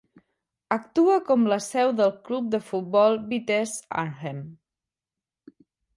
Actua com la seu del club de futbol Vitesse Arnhem.